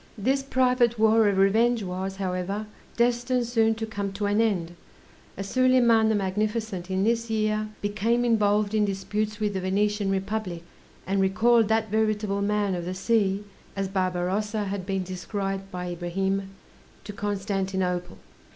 This private war of revenge was, however, destined soon to come to an end, as Soliman the Magnificent in this year became involved in disputes with the Venetian Republic, and recalled "that veritable man of the sea," as Barbarossa had been described by Ibrahim, to Constantinople.